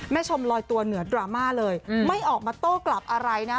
ชมลอยตัวเหนือดราม่าเลยไม่ออกมาโต้กลับอะไรนะ